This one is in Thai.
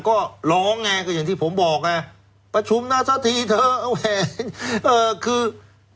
ก็ร้องไงก็อย่างที่ผมบอกไงประชุมนะสักทีเถอะโอ้โหคือ